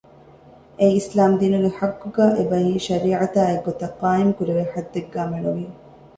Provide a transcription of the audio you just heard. އެއީ އިސްލާމް ދީނުގެ ޙައްޤުގައި، އެބަހީ: ޝަރީޢަތާ އެއްގޮތަށް ޤާއިމު ކުރެވޭ ޙައްދެއްގައި މެނުވީ